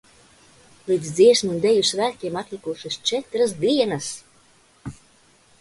Līdz Dziesmu un Deju svētkiem atlikušas četras dienas!